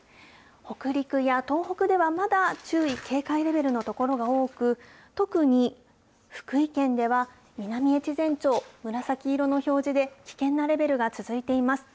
北陸や東北ではまだ注意、警戒レベルの所が多く、特に福井県では南越前町、紫色の表示で、危険なレベルが続いています。